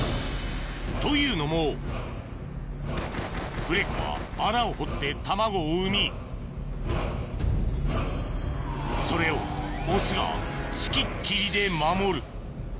というのもプレコは穴を掘って卵を産みそれをオスが付きっきりで守る